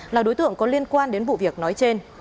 là đối tượng có liên quan đến vụ việc nói trên